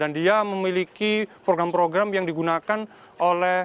dan dia memiliki program program yang digunakan oleh